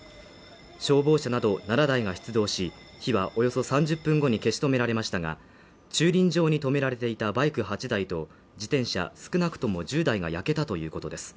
消防車など７台が出動し、火はおよそ３０分後に消し止められましたが、駐輪場に停められていたバイク８台と自転車、少なくとも１０台が焼けたということです。